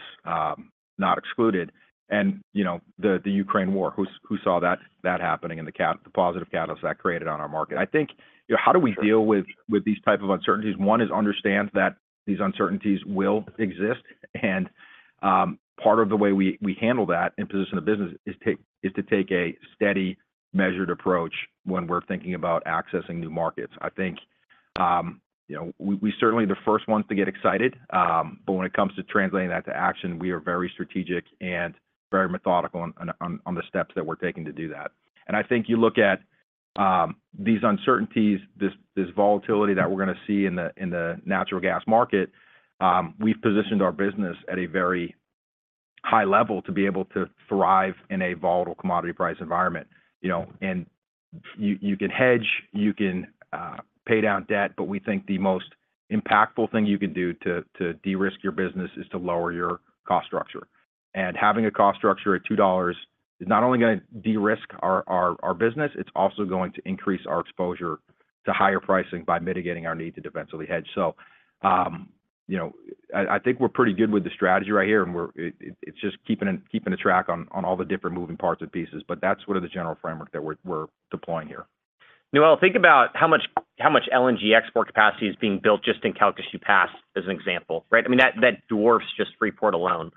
not excluded. You know, the Ukraine war, who saw that happening, and the positive catalyst that created on our market? I think, how do we deal with these type of uncertainties? One is, understand that these uncertainties will exist. Part of the way we handle that and position the business is to take a steady, measured approach when we're thinking about accessing new markets. I think, you know, we're certainly the first ones to get excited, but when it comes to translating that to action, we are very strategic and very methodical on the steps that we're taking to do that. I think you look at these uncertainties, this volatility that we're going to see in the natural gas market. We've positioned our business at a very high level to be able to thrive in a volatile commodity price environment. You know, and you can hedge, you can pay down debt, but we think the most impactful thing you can do to de-risk your business is to lower your cost structure. Having a cost structure at $2 is not only going to de-risk our business, it's also going to increase our exposure to higher pricing by mitigating our need to defensively hedge. You know, I think we're pretty good with the strategy right here and it's just keeping a track on all the different moving parts and pieces, but that's sort of the general framework that we're deploying here. Noel, think about how much LNG export capacity is being built just in Calcasieu Pass, as an example, right? I mean, that dwarfs just Freeport alone.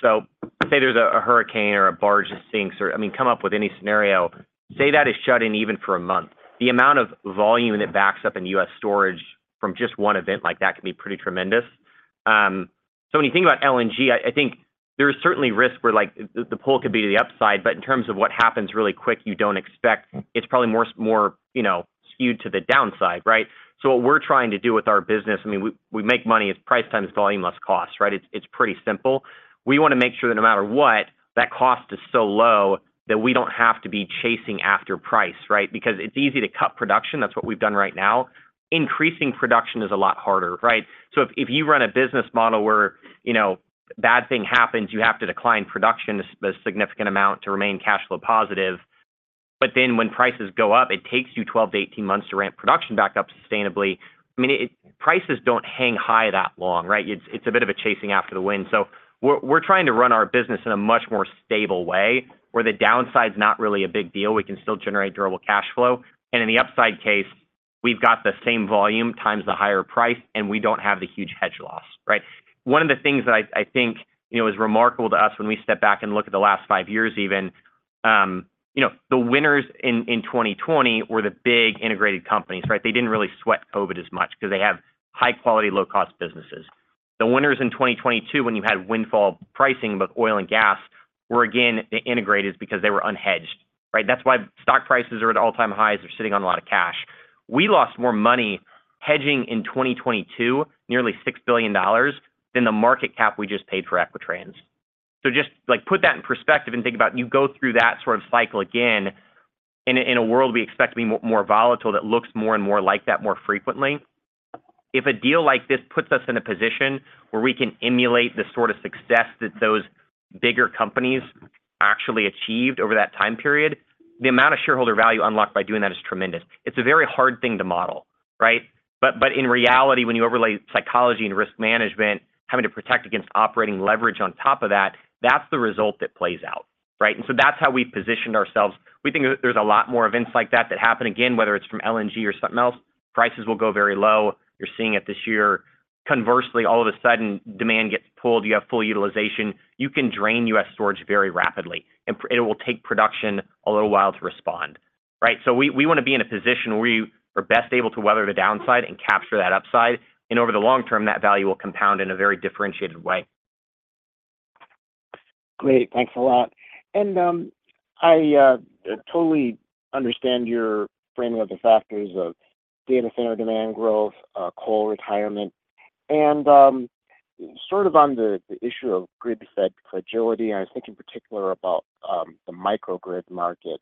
Say there's a hurricane or a barge that sinks, or I mean, come up with any scenario. Say that is shut in even for a month, the amount of volume that backs up in U.S. storage from just one event like that can be pretty tremendous. When you think about LNG, I think there is certainly risk where the pull could be to the upside, but in terms of what happens really quick, you don't expect, it's probably more, you know, skewed to the downside, right? What we're trying to do with our business, I mean, we make money as price times volume less cost, right? It's pretty simple. We want to make sure that no matter what, that cost is so low that we don't have to be chasing after price, right? Because it's easy to cut production. That's what we've done right now. Increasing production is a lot harder, right? If you run a business model where, you know, bad thing happens, you have to decline production a significant amount to remain cash flow positive, but then when prices go up, it takes you 12-18 months to ramp production back up sustainably, I mean, prices don't hang high that long, right? It's a bit of a chasing after the wind. We're trying to run our business in a much more stable way, where the downside is not really a big deal. We can still generate durable cash flow. In the upside case, we've got the same volume times the higher price and we don't have the huge hedge loss, right? One of the things that I think, you know, is remarkable to us when we step back and look at the last five years even, you know, the winners in 2020 were the big integrated companies, right? They didn't really sweat COVID as much, because they have high-quality, low-cost businesses. The winners in 2022, when you had windfall pricing with oil and gas, were again the integrators because they were unhedged, right? That's why stock prices are at all-time highs. They're sitting on a lot of cash. We lost more money hedging in 2022, nearly $6 billion, than the market cap we just paid for Equitrans. Just put that in perspective and think about, you go through that sort of cycle again in a world we expect to be more volatile, that looks more and more like that more frequently. If a deal like this puts us in a position where we can emulate the sort of success that those bigger companies actually achieved over that time period, the amount of shareholder value unlocked by doing that is tremendous. It's a very hard thing to model, right? In reality, when you overlay psychology and risk management, having to protect against operating leverage on top of that, that's the result that plays out, right? That's how we positioned ourselves. We think that there's a lot more events like that that happen again, whether it's from LNG or something else, prices will go very low. You're seeing it this year. Conversely, all of a sudden, demand gets pulled, you have full utilization. You can drain U.S. storage very rapidly, and it will take production a little while to respond, right? We want to be in a position where we are best able to weather the downside and capture that upside, and over the long term, that value will compound in a very differentiated way. Great. Thanks a lot. I totally understand your framing of the factors of data center demand growth, coal retirement. Sort of on the issue of grid-fed fragility, and I was thinking particular about the microgrid market.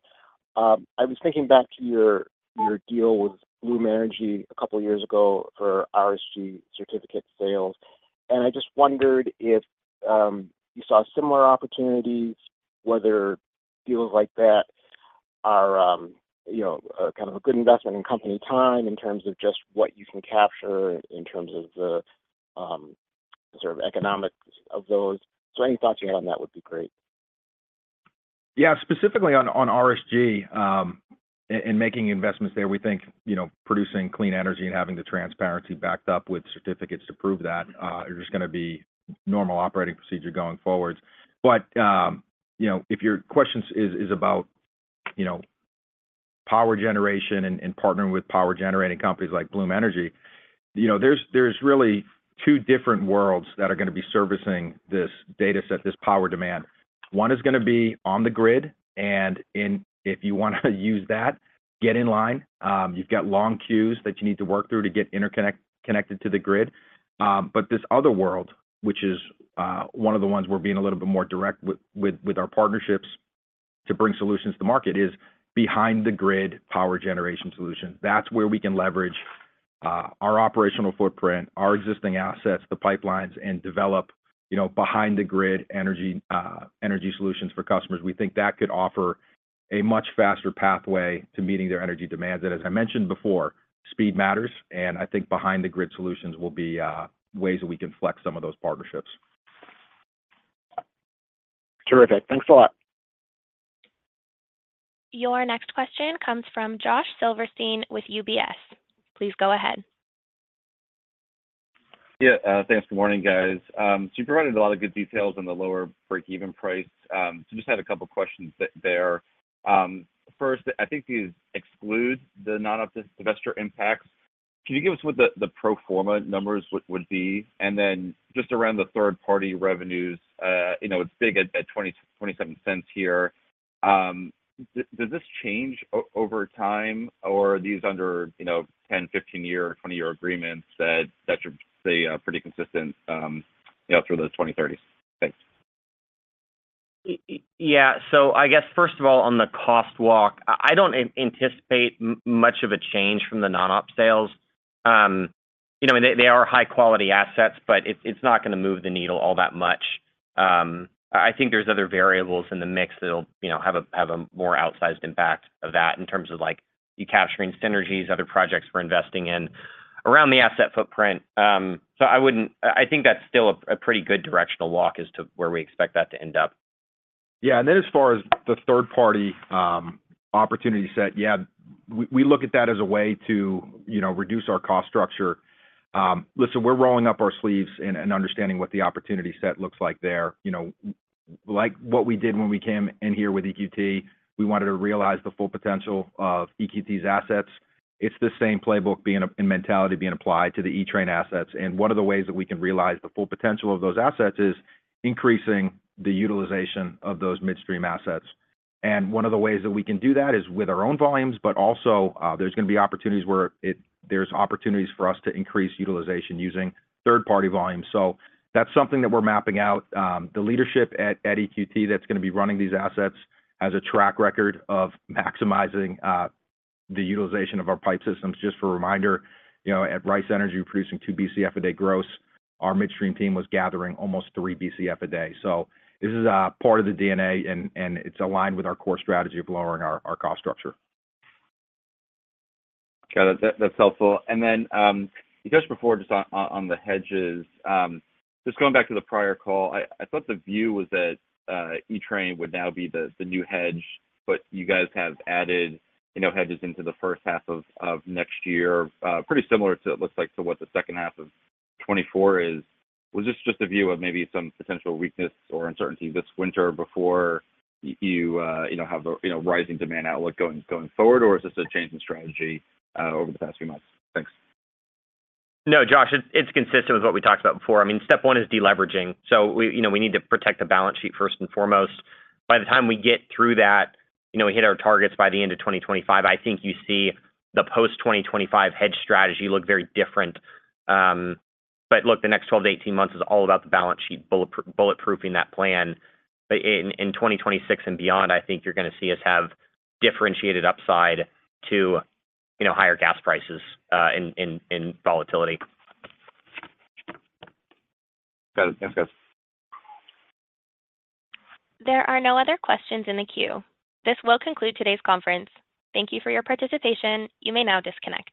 I was thinking back to your deal with Bloom Energy a couple of years ago for RSG certificate sales. I just wondered if you saw similar opportunities, whether deals like that are, you know, kind of a good investment in company time in terms of just what you can capture, in terms of the sort of economics of those. Any thoughts you had on that would be great. Yeah. Specifically on RSG, in making investments there, we think, you know, producing clean energy, and having the transparency backed up with certificates to prove that are just going to be normal operating procedure going forward. You know, if your question is about, you know, power generation and partnering with power-generating companies like Bloom Energy, you know, there's really two different worlds that are gonna be servicing this data set, this power demand. One is going to be on the grid, and if you want to use that, get in line. You've got long queues that you need to work through to get connected to the grid. This other world, which is one of the ones we're being a little bit more direct with our partnerships to bring solutions to market, is behind the grid power generation solution. That's where we can leverage our operational footprint, our existing assets, the pipelines, and develop, you know, behind the grid energy solutions for customers. We think that could offer a much faster pathway to meeting their energy demands. As I mentioned before, speed matters, and I think behind the grid solutions will be ways that we can flex some of those partnerships. Terrific. Thanks a lot. Your next question comes from Josh Silverstein with UBS. Please go ahead. Yeah, thanks. Good morning, guys. You provided a lot of good details on the lower break-even price. Just had a couple questions there. First, I think these exclude the non-op investor impacts. Can you give us what the pro forma numbers would be? Then just around the third-party revenues, you know, it's big at $0.27 here. Does this change over time or are these under, you know, 10-, 15-year, 20-year agreements that should stay pretty consistent, you know, through the 2030s? Thanks. Yeah. I guess, first of all, on the cost walk, I don't anticipate much of a change from the non-op sales. You know, I mean, they are high-quality assets, but it's not going to move the needle all that much. I think there's other variables in the mix that'll, you know, have a more outsized impact of that in terms of like, you capturing synergies, other projects we're investing in around the asset footprint. I think that's still a pretty good directional walk as to where we expect that to end up. Yeah. Then as far as the third-party opportunity set, yeah, we look at that as a way to, you know, reduce our cost structure. Listen, we're rolling up our sleeves and understanding what the opportunity set looks like there. You know, like what we did when we came in here with EQT, we wanted to realize the full potential of EQT's assets. It's the same playbook and mentality being applied to the Equitrans assets, and one of the ways that we can realize the full potential of those assets is increasing the utilization of those midstream assets. One of the ways that we can do that is with our own volumes, but also, there's gonna be opportunities for us to increase utilization using third-party volumes. That's something that we're mapping out. The leadership at EQT that's going to be running these assets has a track record of maximizing the utilization of our pipe systems. Just for a reminder, you know, at Rice Energy, we're producing 2 Bcf a day gross. Our midstream team was gathering almost 3 Bcf a day. This is part of the DNA, and it's aligned with our core strategy of lowering our cost structure. Okay, that's helpful. Then you touched before, just on the hedges. Just going back to the prior call, I thought the view was that ETRN would now be the new hedge, but you guys have added, you know, hedges into the first half of next year, pretty similar to, it looks like, to what the second half of 2024 is. Was this just a view of maybe some potential weakness or uncertainty this winter before you, you know, have a rising demand outlook going forward, or is this a change in strategy over the past few months? Thanks. No, Josh. It's consistent with what we talked about before. I mean, step one is deleveraging. You know, we need to protect the balance sheet first and foremost. By the time we get through that, you know, we hit our targets by the end of 2025, I think you see the post-2025 hedge strategy look very different. Look, the next 12-18 months is all about the balance sheet, bulletproofing that plan. In 2026 and beyond, I think you're going too see us have differentiated upside to, you know, higher gas prices in volatility. Got it. Thanks, guys. There are no other questions in the queue. This will conclude today's conference. Thank you for your participation. You may now disconnect.